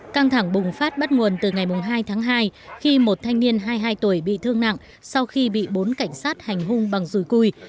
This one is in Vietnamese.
căng thẳng bùng phát bắt nguồn từ ngày hai tháng hai khi một thanh niên hai mươi hai tuổi bị thương nặng sau khi bị bốn cảnh sát hành hung bằng rùi cui